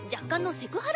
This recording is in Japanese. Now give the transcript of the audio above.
「セクハラ」？